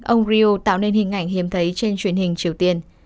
ông rio tạo nên hình ảnh hiếm thấy trên truyền hình triều tiên